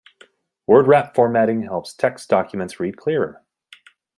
Word wrap formatting helps text documents read clearer.